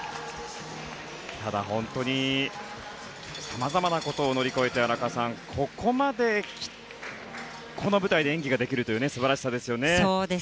ただ、本当に様々なことを乗り越えて荒川さん、ここまでこの舞台で演技ができるという素晴らしさですよね。